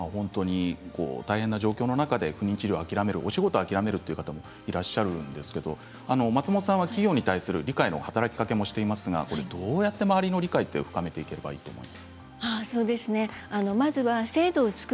大変な治療の中で不妊治療を諦めるお仕事を諦めるという方もいらっしゃるんですが松本さんは企業へ理解や働き方もされていますがどうやって周りの理解を深めていけばいいですか。